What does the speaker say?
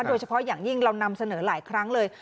โดยเฉพาะอย่างยิ่งเรานำเสนอหลายครั้งเลย